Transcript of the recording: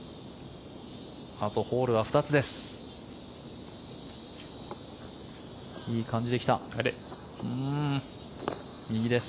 あとホールは２つです。